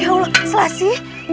ya allah selasi